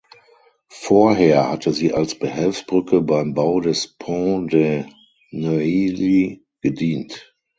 Vorher hatte sie als Behelfsbrücke beim Bau des Pont de Neuilly gedient.